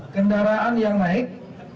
kendaraan yang naik